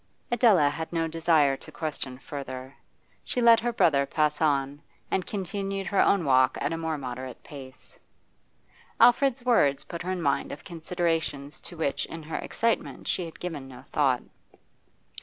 Adela had no desire to question further: she let her brother pass on, and continued her own walk at a more moderate pace. Alfred's words put her in mind of considerations to which in her excitement she had given no thought.